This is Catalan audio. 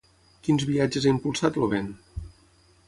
Quins viatges ha impulsat el vent?